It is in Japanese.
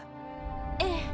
ええ。